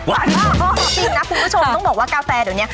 จริงนะคุณผู้ชมต้องบอกว่ากาแฟเดี๋ยวนี้